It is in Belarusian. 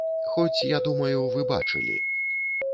Хоць, я думаю, вы бачылі.